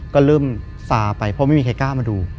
ก็เริ่มซาไปเพราะไม่มีใครกล้ามาดู